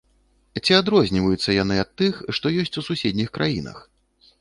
Ці адрозніваюцца яны ад тых, што ёсць у суседніх краінах?